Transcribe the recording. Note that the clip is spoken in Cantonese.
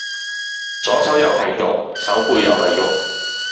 左手又係肉，手背又係肉